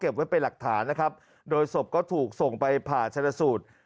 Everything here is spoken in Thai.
ไว้เป็นหลักฐานนะครับโดยศพก็ถูกส่งไปผ่าชนสูตร